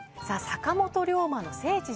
坂本龍馬の聖地